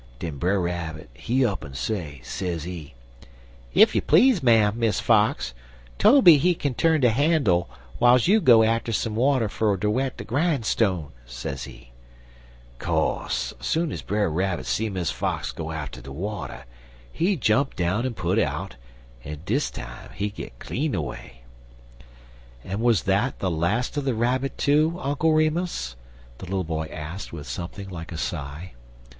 Den Brer Rabbit, he up'n say, sezee: "'Ef you please, ma'am, Miss Fox, Tobe he kin turn de handle w'iles you goes atter some water fer ter wet de grinestone,' sezee. "Co'se, soon'z Brer Rabbit see Miss Fox go atter de water, he jump down en put out, en dis time he git clean away." "And was that the last of the Rabbit, too, Uncle Remus?" the little boy asked, with something like a sigh.